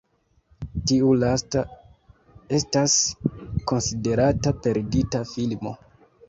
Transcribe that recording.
Tiu lasta estas konsiderata perdita filmo.